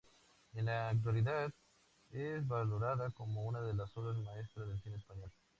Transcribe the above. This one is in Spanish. En la actualidad es valorada como una de las obras maestras del cine español.